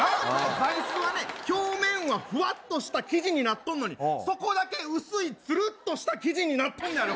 座いすはね、表面はふわっとした生地になっとんのに、底だけ薄いつるっとした生地になっとんのや。